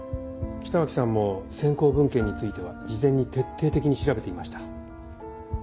北脇さんも先行文献については事前に徹底的に調べていました。